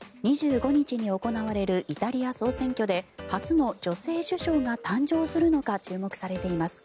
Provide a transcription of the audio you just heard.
２５日に行われるイタリア総選挙で初の女性首相が誕生するのか注目されています。